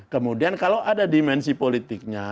kemudian kalau ada dimensi politiknya